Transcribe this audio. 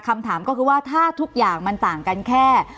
คำถามก็คือว่าถ้าทุกอย่างมันต่างกันแค่